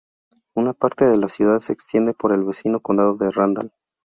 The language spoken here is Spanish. Una parte de la ciudad se extiende por el vecino condado de Randall.